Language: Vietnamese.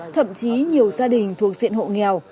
thậm chí nhiều gia đình thuộc diện hộ nghèo